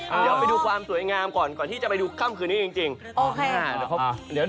เดี๋ยวไปดูความสวยงามก่อนก่อนที่จะไปดูค่ำคืนนี้จริง